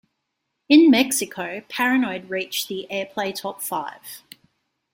In Mexico, "...Paranoid" reached the airplay top five.